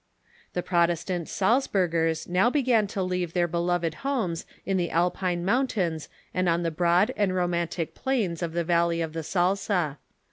The Protestant Salzburgers now began to leave their be loved homes in the Alpine mountains and on the broad and romantic plains of the vallev of the Salza.